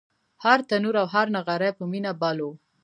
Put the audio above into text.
هر تنور او هر نغری په مینه بل و